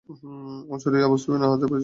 অশ্বারোহী আবু সুফিয়ানের পরিচিত।